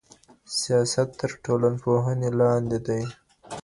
سياست تر ټولنپوهنې لاندې دی.